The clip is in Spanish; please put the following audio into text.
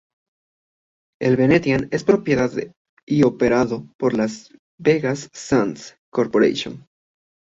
El Venetian es propiedad y operado por Las Vegas Sands Corporation.